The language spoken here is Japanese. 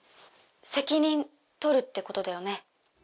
責任とるってことだよね？